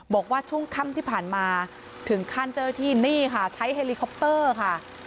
บอกว่าช่วงค่ำที่ผ่านมาถึงขั้นเจ้าหน้าที่นี่ค่ะใช้เฮลิคอปเตอร์ค่ะ